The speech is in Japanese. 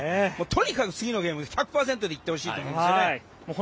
とにかく次のゲーム１００％で行ってほしいと思いますね。